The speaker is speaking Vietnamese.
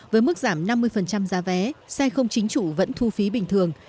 với mức giảm năm mươi giá vé xe không chính chủ vẫn thu phí bình thường